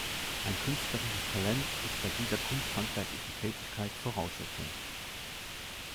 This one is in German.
Ein künstlerisches Talent ist bei dieser kunsthandwerklichen Tätigkeit Voraussetzung.